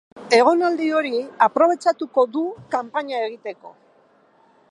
Egonaldi hori aprobetxatuko du kanpaina egiteko.